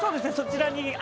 そちらに。